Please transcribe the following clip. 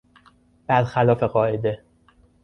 برخلاف قاعده